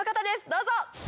どうぞ！